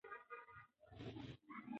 دا ماشوم چې ژاړي شاید ډېر وږی وي.